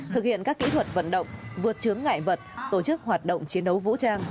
thực hiện các kỹ thuật vận động vượt trướng ngại vật tổ chức hoạt động chiến đấu vũ trang